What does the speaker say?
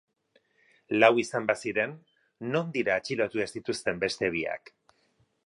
Lau izan baziren, non dira atxilotu ez dituzten beste biak?